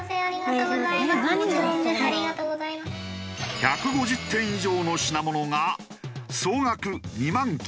１５０点以上の品物が総額２万９５００円に。